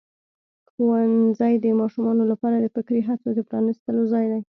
ښوونځی د ماشومانو لپاره د فکري هڅو د پرانستلو ځای دی.